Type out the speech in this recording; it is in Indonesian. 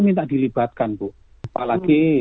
minta dilibatkan bu apalagi